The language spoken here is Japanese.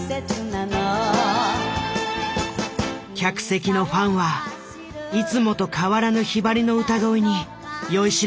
客席のファンはいつもと変わらぬひばりの歌声に酔いしれた。